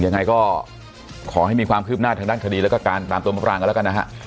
ยังไงก็ขอให้มีความคืบหน้าทางด้านคดีแล้วก็การตามตัวมะปรางกันแล้วกันนะฮะ